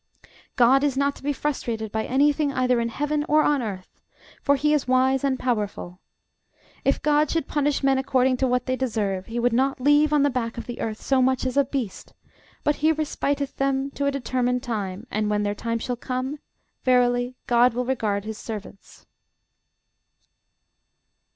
GOD is not to be frustrated by anything either in heaven or on earth; for he is wise and powerful. If GOD should punish men according to what they deserve, he would not leave on the back of the earth so much as a beast; but he respiteth them to a determined time; and when their time shall come, verily GOD will regard his servants.